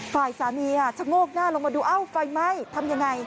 ฝ่ายสามีชะโงกหน้าลงมาดูเอ้าไฟไหม้ทำยังไง